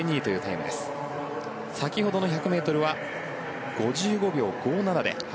先ほどの１００ｍは５５秒５７で。